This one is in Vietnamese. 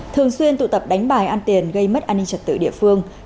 thường xuyên tụ tập đánh bài ăn tiền gây mất an ninh trật tự địa phương